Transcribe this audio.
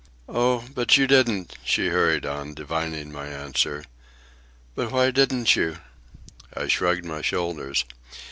"Oh, but you didn't," she hurried on, divining my answer. "But why didn't you?" I shrugged my shoulders.